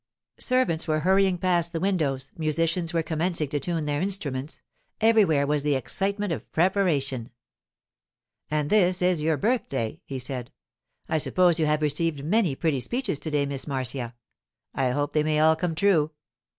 Servants were hurrying past the windows, musicians were commencing to tune their instruments; everywhere was the excitement of preparation. 'And this is your birthday,' he said. 'I suppose you have received many pretty speeches to day, Miss Marcia; I hope they may all come true.